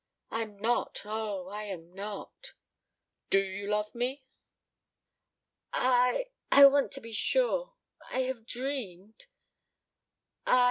"I am not! Oh, I am not!" "Do you love me?" "I I want to be sure. I have dreamed ..